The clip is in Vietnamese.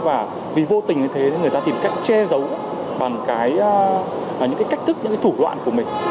và vì vô tình như thế người ta tìm cách che giấu bằng những cái cách thức những cái thủ đoạn của mình